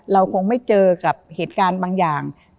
เราคงไม่เจอกับเหตุการณ์บางอย่าง